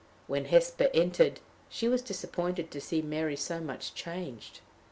When Hesper entered, she was disappointed to see Mary so much changed.